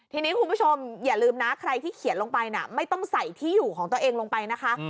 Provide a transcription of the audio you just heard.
ทีนี้คุณผู้ชมอย่าลืมนะใครที่เขียนลงไปไม่ต้องใส่ที่อยู่ของตัวเองลงไปนะคะ